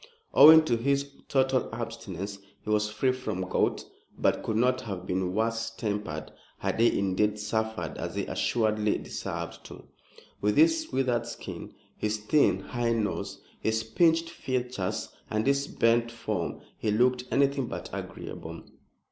Owing to his total abstinence, he was free from gout, but could not have been worse tempered had he indeed suffered, as he assuredly deserved to. With his withered skin, his thin, high nose, his pinched features and his bent form he looked anything but agreeable.